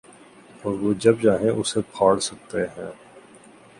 اوروہ جب چاہیں اسے پھاڑ سکتے ہیں۔